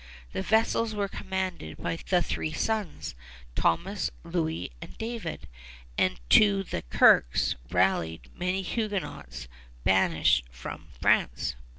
The vessels were commanded by the three sons, Thomas, Louis, and David; and to the Kirkes rallied many Huguenots banished from France.